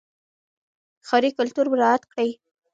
ښاري کلتور مراعات کړئ.